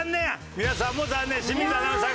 稲村さんも残念清水アナウンサー